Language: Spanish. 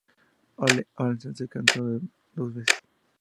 Ole Olsen se casó dos veces.